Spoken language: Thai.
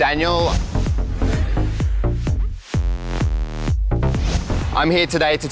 หุ่นเสียบเรียเวิร์ด